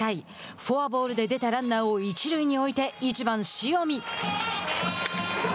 フォアボールで出たランナーを一塁に置いて１番塩見。